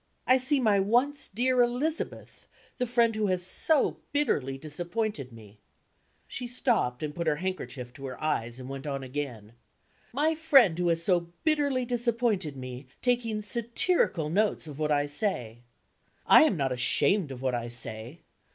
I see my once dear Elizabeth, the friend who has so bitterly disappointed me " she stopped, and put her handkerchief to her eyes, and went on again "the friend who has so bitterly disappointed me, taking satirical notes of what I say. I am not ashamed of what I say.